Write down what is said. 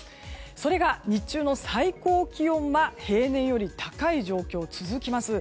それが日中の最高気温は平年より高い状況が続きます。